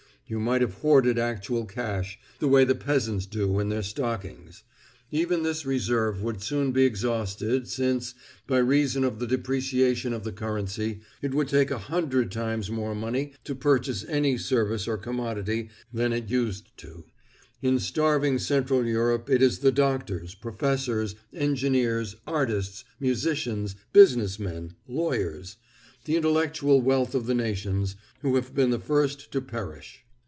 You might have hoarded actual cash, the way the peasants do in their stockings. Even this reserve would soon be exhausted since, by reason of the depreciation in the currency, it would take a hundred times more money to purchase any service or commodity than it used. In starving Central Europe it is the doctors, professors, engineers, artists, musicians, business men, lawyers—the intellectual wealth of the nations, who have been the first to perish.